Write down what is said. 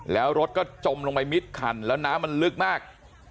แล้วรถก็จมลงไปมิดคันแล้วน้ำมันลึกมาก